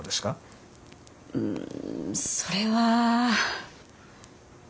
んそれは。